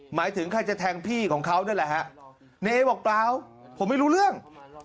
หมายถึงใครจะแทงพี่ของเขานั่นแหละฮะเนเอบอกเปล่าผมไม่รู้เรื่อง